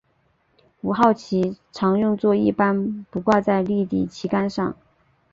五号旗常用作一般不挂在立地旗杆上。